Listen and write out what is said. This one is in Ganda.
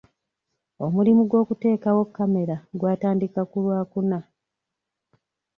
Omulimu gw'okuteekawo kamera gwatandika ku lwakuna.